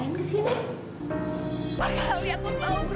kamu nggak pernah lihat aku